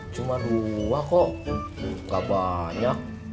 cuma dua kok buka banyak